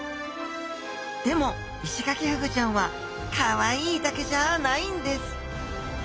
でもイシガキフグちゃんはかわいいだけじゃないんです！